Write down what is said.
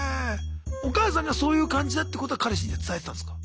お母さんがそういう感じだってことは彼氏には伝えてたんですか？